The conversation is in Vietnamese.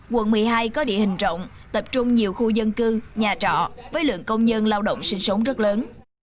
quận một mươi hai có địa hình rộng tập trung nhiều khu dân cư nhà trọ với lượng công nhân lao động sinh sống rất lớn